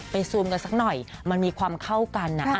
ซูมกันสักหน่อยมันมีความเข้ากัน